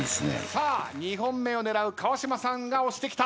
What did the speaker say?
さあ２本目を狙う川島さんが押してきた。